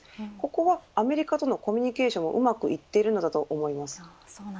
ここは、アメリカとのコミュニケーションがうまくいっているのだと思います。